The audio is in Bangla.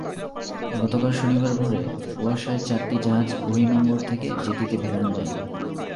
গতকাল শনিবার ভোরে কুয়াশায় চারটি জাহাজ বহির্নোঙর থেকে জেটিতে ভেড়ানো যায়নি।